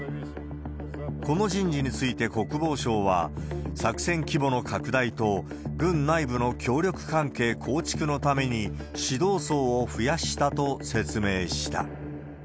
この人事について国防省は、作戦規模の拡大と軍内部の協力関係構築のために、指導層を増やしたと説明した。